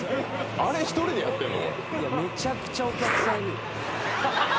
「あれ１人でやってるの？」